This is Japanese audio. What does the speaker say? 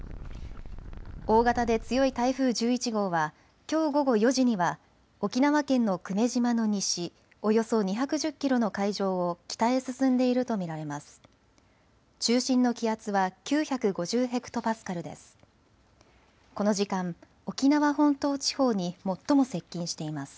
大型で強い台風１１号はきょう午後４時には沖縄県の久米島の西およそ２１０キロの海上を北へ進んでいると見られます。